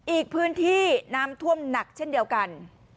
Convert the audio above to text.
อีกพื้นที่น้ำท่วมหนักเช่นเดียวกัน